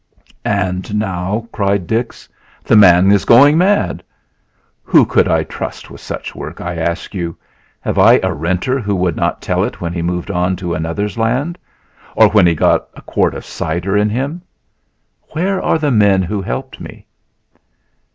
"And now," cried Dix, "the man is going mad! Who could I trust with such work, I ask you? Have I a renter that would not tell it when he moved on to another's land, or when he got a quart of cider in him? Where are the men who helped me?"